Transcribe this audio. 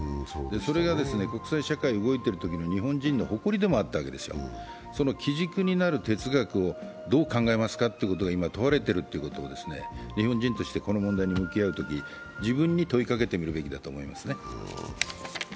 それが国際社会が動いてるときの日本人の誇りでもあったわけですよ、その基軸になる哲学をどう考えますかというのが今問われているということを日本人としてこの問題に向き合うとき、自分に問いかけてみるべきだと思いますね。